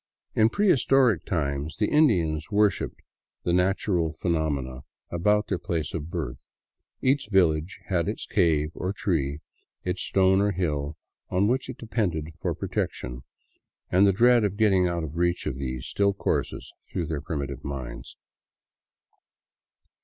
In prehistoric times the Indians worshipped the natural phenomena about their place of birth ; each village had its cave or tree, its stone or hill, on which it depended for protection ; and the dread of getting out of reach of these still courses through their primi tive minds.